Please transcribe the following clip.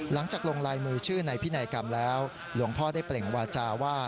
หลังจากลงลายมือชื่อในพินัยกรรมแล้วหลวงพ่อได้เปล่งวาจาว่า